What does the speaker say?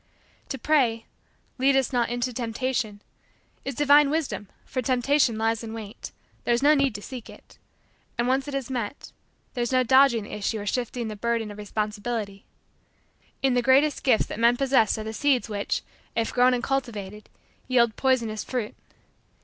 To pray: "Lead us not into temptation," is divine wisdom for Temptation lies in wait. There is no need to seek it. And, when once it is met, there is no dodging the issue or shifting the burden of responsibility. In the greatest gifts that men possess are the seeds which, if grown and cultivated, yield poisonous fruit.